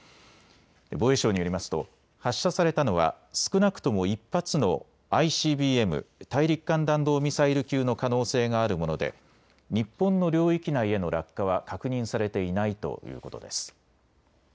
防衛省によりますと発射されたのは少なくとも１発のＩＣＢＭ・大陸間弾道ミサイル級の可能性があるもので日本の領域内への落下は確認されていないということです。